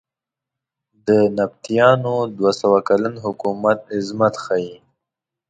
د نبطیانو دوه سوه کلن حکومت عظمت ښیې.